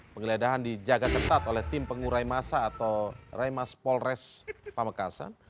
pengeledahan dijaga ketat oleh tim pengurai masa atau rai mas polres pamekasan